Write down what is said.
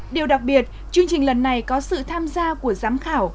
điều đặc biệt chương trình lần này có sự tham gia của giám khảo